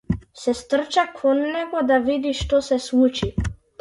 Се стрча кон него да види што се случи.